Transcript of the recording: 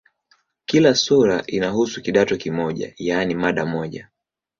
Kila sura inahusu "kidato" kimoja, yaani mada moja.